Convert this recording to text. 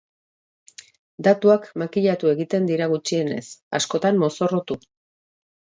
Datuak makillatu egiten dira gutxienez, askotan mozorrotu.